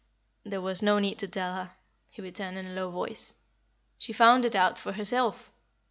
"There was no need to tell her," he returned, in a low voice; "she found it out for herself.